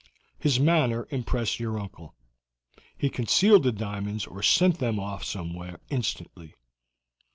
His manner impressed your uncle. He concealed the diamonds or sent them off somewhere, instantly.